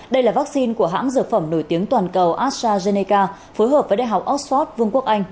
đây là vaccine của hãng dược phẩm nổi tiếng toàn cầu astrazeneca phối hợp với đại học oxford vương quốc anh